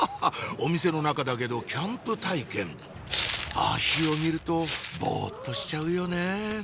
お店の中だけどキャンプ体験あ火を見るとボっとしちゃうよねぇ